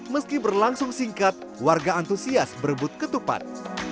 meski berlangsung singkat warga antusias berebut ketupat